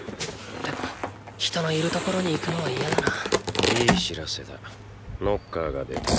でも人のいる所に行くのは嫌だないい知らせだノッカーが出た。